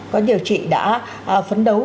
có nhiều chị đã phấn đấu